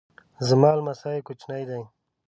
زما لمسی کوچنی دی